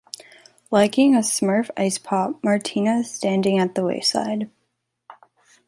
Liking a smurf ice-pop Martina is standing at the wayside.